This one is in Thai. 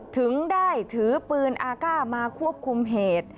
ถึงได้ถือปืนอาก้ามาควบคุมเหตุ